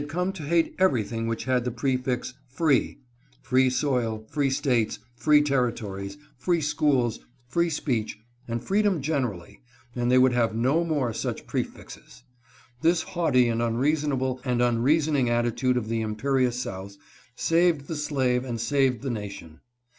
407 come to hate everything which had the prefix "Free" — free soil, free States, free territories, free schools, free speech, and freedom generally, and they would have no more such prefixes. This haughty and unreasonable and unreasoning attitude of the imperious South saved the slave and saved the nation.